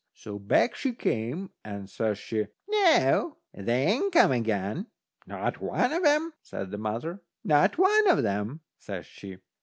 So back she came, and says she: "Noo, they ain't come again." "Not one of 'em?" says the mother. "Not one of 'em," says she.